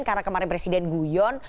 karena kemarin presiden guyon